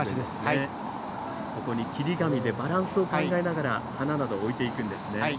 ここに切り紙でバランスを考えながら花などを置いていくんですね。